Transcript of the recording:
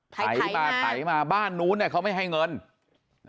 ไถมาไถมาบ้านนู้นเขาไม่ให้เงิน